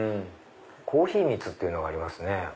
コーヒーみつっていうのがありますね。